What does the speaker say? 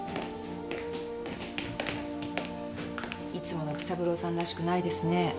いつもの紀三郎さんらしくないですね。